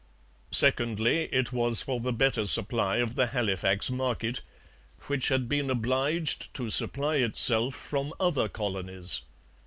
Secondly, it was for the better supply of the Halifax market, which had been obliged to supply itself from other colonies.